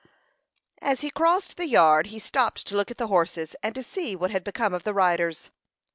As he crossed the yard he stopped to look at the horses, and to see what had become of the riders.